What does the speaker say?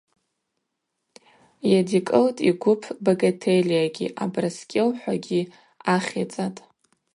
Йадикӏылтӏ йгвып Багателиагьи, Абраскӏьыл-хӏвагьи ахьицӏатӏ.